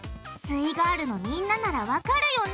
イガールのみんなならわかるよね？